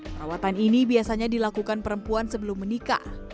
perawatan ini biasanya dilakukan perempuan sebelum menikah